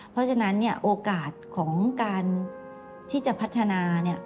เพราะฉะนั้นโอกาสของการที่จะพัฒนา